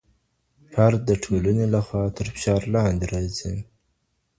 فرد د ټولني له خوا تر فشار لاندي راځي.